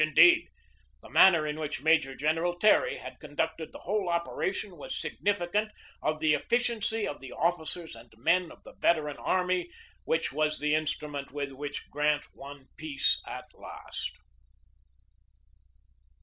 Indeed, the manner in THE BATTLE OF FORT FISHER 137 which Major General Terry had conducted the whole operation was significant of the efficiency of the offi cers and men of the veteran army which was the in strument with which Grant won peace at last.